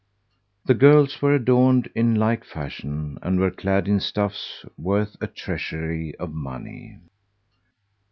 The girls were adorned in like fashion and were clad in stuffs worth a treasury of money.